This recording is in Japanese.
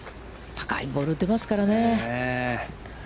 高いボールを打てますからね。